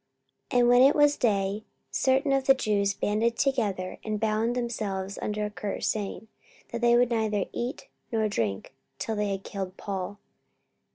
44:023:012 And when it was day, certain of the Jews banded together, and bound themselves under a curse, saying that they would neither eat nor drink till they had killed Paul.